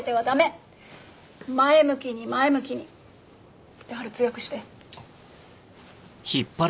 前向きに前向きに。って春通訳して。